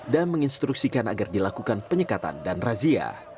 dan menginstruksikan agar dilakukan penyekatan dan razia